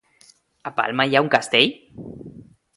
A Palma hi ha un castell?